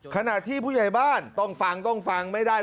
ขณะที่ผู้ใหญ่บ้านต้องฟังต้องฟังไม่ได้